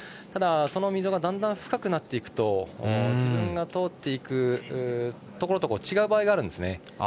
ただ、その溝がだんだん深くなっていくと自分が通っていくところと違う場合があるんですね。